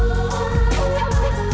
masih di jalan di angkot